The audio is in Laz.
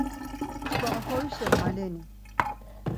Çkva oxorişa maleni?